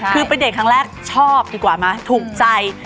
คือเป็นเด็กครั้งแรกชอบดีกว่ามั้ยถูกใจ